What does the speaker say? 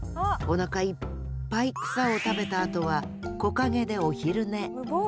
おなかいっぱい草を食べたあとは木陰でお昼寝無防備ね。